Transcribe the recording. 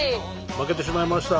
負けてしまいました。